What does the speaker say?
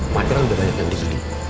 makarang sudah banyak yang dibeli